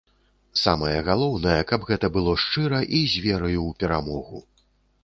Самае галоўнае, каб гэта было шчыра і з вераю ў перамогу.